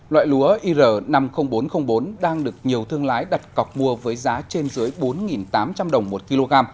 loại lúa ir năm mươi nghìn bốn trăm linh bốn đang được nhiều thương lái đặt cọc mua với giá trên dưới bốn tám trăm linh đồng một kg